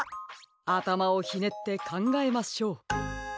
あたまをひねってかんがえましょう！